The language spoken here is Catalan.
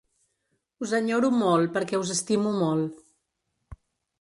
Us enyoro molt perquè us estimo molt.